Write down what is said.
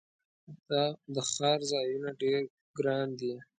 د ښار ځایونه ډیر ګراندي